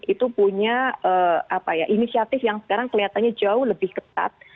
itu punya inisiatif yang sekarang kelihatannya jauh lebih ketat